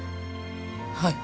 はい。